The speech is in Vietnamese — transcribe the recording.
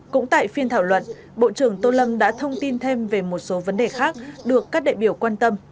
cũng tại phiên thảo luận bộ trưởng tô lâm đã thông tin thêm về một số vấn đề khác được các đại biểu quan tâm